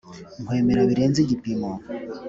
nkwemera birenze igipimo